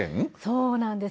そうなんです。